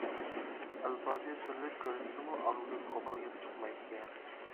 ئەلپازى سۈرلۈك كۆرۈنسىمۇ ئاغزىدىن قوپال گەپ چىقمايدىكەن.